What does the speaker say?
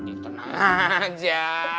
ya tenang aja